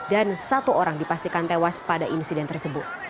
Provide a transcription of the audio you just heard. dan satu orang dipastikan tewas pada insiden tersebut